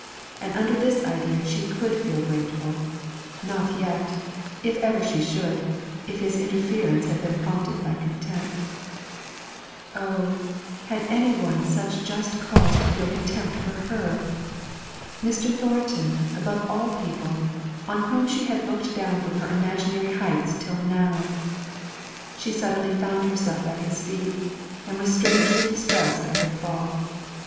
And under this idea she could feel grateful not yet, if ever she should, if his interference had been prompted by contempt. Oh! had any one just cause to feel contempt for her? Mr. Thornton, above all people, on whom she had looked down from her imaginary heights till now! She suddenly found herself at his feet, and was strangely distressed at her fall.